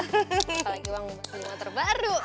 kali lagi uang motor baru